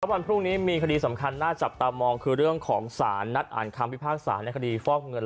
วันพรุ่งนี้มีคดีสำคัญน่าจับตามองคือเรื่องของสารนัดอ่านคำพิพากษาในคดีฟอกเงิน